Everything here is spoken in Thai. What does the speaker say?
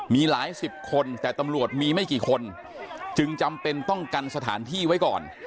มีหลายสิบคนแต่ตำรวจมีไม่กี่คนจึงจำเป็นต้องกันสถานที่ไว้ก่อน